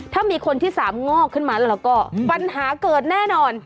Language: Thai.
ถ้ามีคนที่สามงอกขึ้นมาแล้วก็ปัญหาเกิดแน่นอน